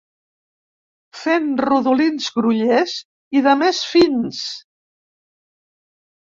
Fent rodolins grollers i de més fins.